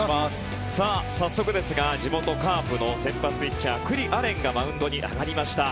早速ですが、地元カープの先発ピッチャー九里亜蓮がマウンドに上がりました。